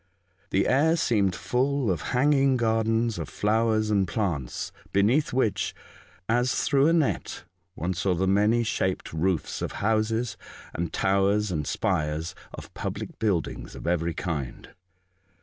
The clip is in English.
The air seemed full of hanging gardens of flowers and plants, beneath which, as through a net, one saw the many shaped roofs of houses, and towers and spires of public buildings of every kind.